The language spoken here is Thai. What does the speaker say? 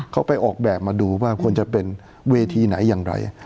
เขาไปออกแบบมาดูว่าควรจะเป็นเวทีไหนอย่างไร